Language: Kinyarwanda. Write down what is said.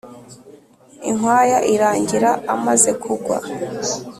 Inkwaya irangira amaze kugwa.